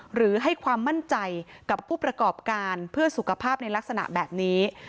หรือให้ความมั่นใจกับผู้ประกอบการเพื่อสุขภาพในลักษณะแบบนี้